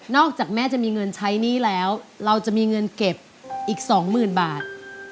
จากแม่จะมีเงินใช้หนี้แล้วเราจะมีเงินเก็บอีก๒๐๐๐บาท